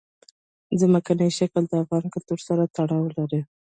ځمکنی شکل د افغان کلتور سره تړاو لري.